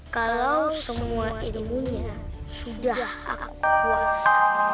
kalau semua ilmunya sudah aku kuas